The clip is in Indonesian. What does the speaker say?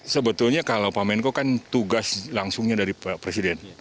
sebetulnya kalau pak menko kan tugas langsungnya dari pak presiden